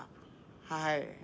はい。